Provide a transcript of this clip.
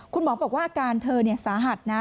คุณหมอบอกว่าอาการเธอสาหัสนะ